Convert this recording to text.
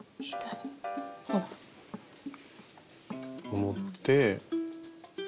ここ持って。